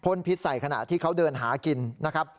พิษใส่ขณะที่เขาเดินหากินนะครับ